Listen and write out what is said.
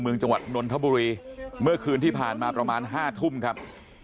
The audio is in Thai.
จังหวัดนนทบุรีเมื่อคืนที่ผ่านมาประมาณห้าทุ่มครับ